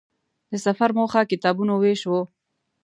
د سفر موخه کتابونو وېش و.